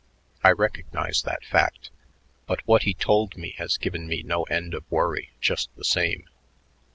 I recognize that fact, but what he told me has given me no end of worry just the same.